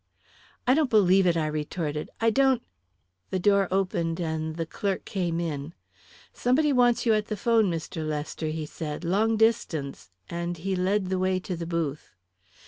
"I don't believe it!" I retorted. "I don't " The door opened and the clerk came in. "Somebody wants you at the 'phone, Mr. Lester," he said; "long distance," and he led the way to the booth.